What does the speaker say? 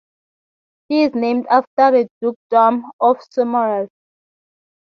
She is named after the Dukedom of Somerset.